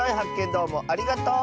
どうもありがとう！